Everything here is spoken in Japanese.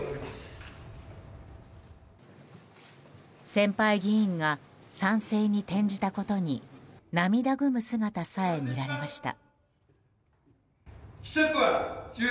先輩議員が賛成に転じたことに涙ぐむ姿さえ見られました。